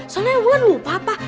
soalnya wulan lupa apa